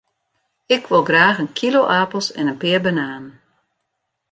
Ik wol graach in kilo apels en in pear bananen.